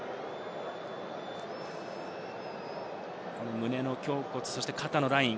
胸の胸骨、肩のライン。